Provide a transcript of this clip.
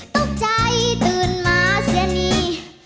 ตกใจตื่นมาเสียนี